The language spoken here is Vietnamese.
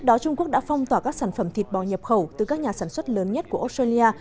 đã phong tỏa các sản phẩm thịt bò nhập khẩu từ các nhà sản xuất lớn nhất của australia